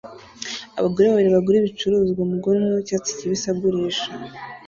Abagore babiri bagura ibicuruzwa umugore umwe wicyatsi kibisi agurisha